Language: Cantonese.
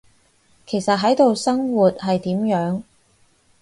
其實喺度生活，係點樣？